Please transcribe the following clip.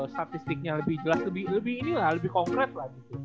statistiknya lebih jelas lebih ini lah lebih konkret lah gitu